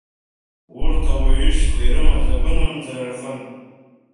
Урҭ ауаҩытәыҩса ишҟа ирымаз агәынамӡара рхын.